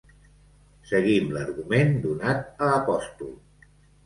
Seguim l'argument donat a Apostol.